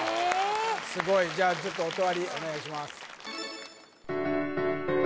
すごいじゃあちょっと音わりお願いします